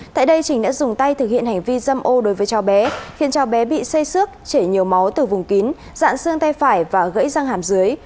tại đây trình đã dùng tay thực hiện hành vi dâm ô đối với cháu bé khiến cháu bé bị xây xước chảy nhiều máu từ vùng kín dạn xương tay phải và gãy răng hàm dưới